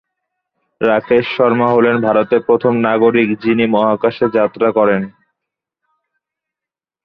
রাকেশ শর্মা হলেন ভারতের প্রথম নাগরিক যিনি মহাকাশে যাত্রা করেন।